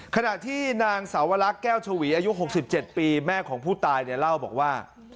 ขณะที่นางสาวลักษณ์แก้วชวีอายุ๖๗ปีแม่ของผู้ตายเนี่ยเล่าบอกว่า